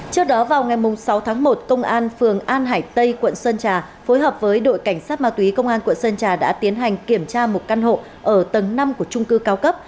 trước đó vào ngày sáu tháng một công an phường an hải tây quận sơn trà phối hợp với đội cảnh sát ma túy công an quận sơn trà đã tiến hành kiểm tra một căn hộ ở tầng năm của trung cư cao cấp